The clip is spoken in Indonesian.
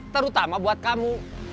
terutama buat kamu